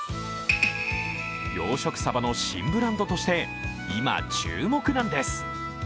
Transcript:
養殖サバの新ブランドとして今、注目なんです。